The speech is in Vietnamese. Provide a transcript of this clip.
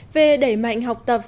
về đẩy mạnh học tập